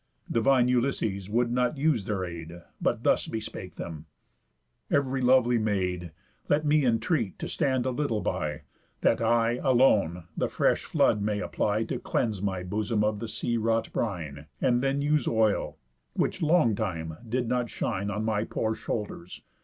Divine Ulysses would not use their aid; But thus bespake them: "Ev'ry lovely maid, Let me entreat to stand a little by, That I, alone, the fresh flood may apply To cleanse my bosom of the sea wrought brine, And then use oil, which long time did not shine On my poor shoulders.